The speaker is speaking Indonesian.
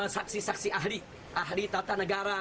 saksi saksi ahli ahli tata negara